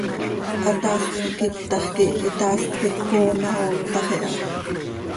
Hataast quih quiptax quih itaast coi tcooo ma, ooptax iha.